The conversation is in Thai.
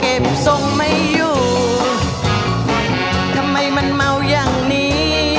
ทรงไม่อยู่ทำไมมันเมาอย่างนี้